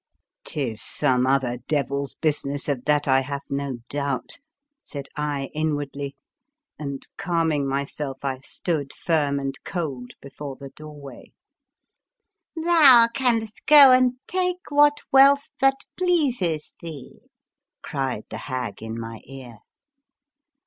" 'Tis some other devil's business, of that I have no doubt," said I in wardly, and calming myself I stood firm and cold before the doorway. 14 Thou canst go and take what wealth that pleases thee," cried the hag in my ear.